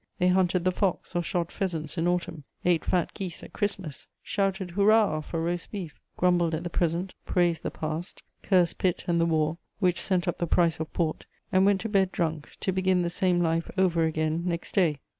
They hunted the fox or shot pheasants in autumn, ate fat geese at Christmas, shouted "Hurrah" for roast beef, grumbled at the present, praised the past, cursed Pitt and the war, which sent up the price of port, and went to bed drunk to begin the same life over again next day.